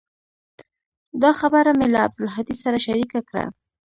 دا خبره مې له عبدالهادي سره شريکه کړه.